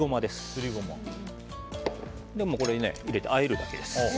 全部これを入れてあえるだけです。